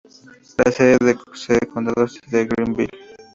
La sede de condado es Greenville.